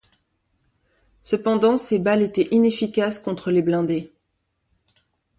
Cependant, ces balles étaient inefficaces contre les blindés.